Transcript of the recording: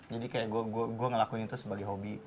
jadi kayak gue ngelakuin itu sebagai hobi